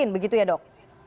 begitu ya dok